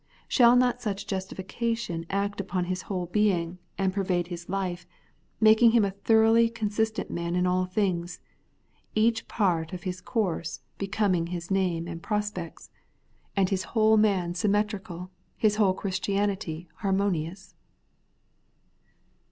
Shall not such a justification act upon his whole being, and pervade his life; making him a thoroughly 202 The Everlasting Righteousness, consistent man in all things ; each part of his course becoming his name and prospects ; and his whole man symmetrical, his whole Christianity har monious